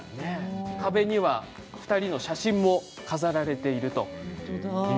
壁には２人の写真も飾られています。